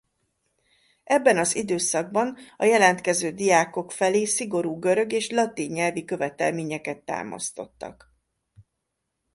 Ebben az időszakban a jelentkező diákok felé szigorú görög és latin nyelvi követelményeket támasztottak.